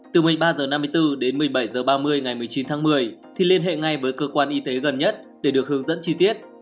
từ một mươi ba h năm mươi bốn đến một mươi bảy h ba mươi ngày một mươi chín tháng một mươi thì liên hệ ngay với cơ quan y tế gần nhất để được hướng dẫn chi tiết